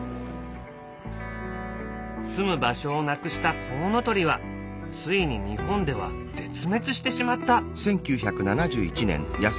すむ場所をなくしたコウノトリはついに日本では絶滅してしまった。